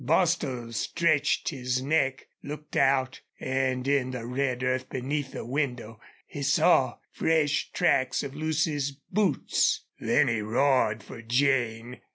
Bostil stretched his neck, looked out, and in the red earth beneath the window he saw fresh tracks of Lucy's boots. Then he roared for Jane.